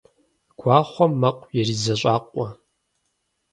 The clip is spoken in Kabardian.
Гуахъуэм мэкъу иризэщӀакъуэ.